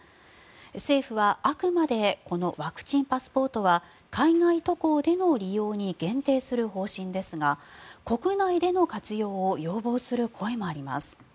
政府はあくまでこのワクチンパスポートは海外渡航での利用に限定する方針ですが国内での活用を要望する声もあります。